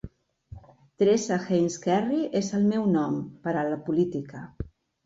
Teresa Heinz Kerry és el meu nom... per a la política.